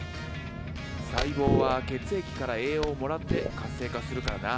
細胞は血液から栄養をもらって活性化するからな。